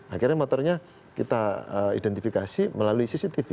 akhirnya motornya kita identifikasi melalui cctv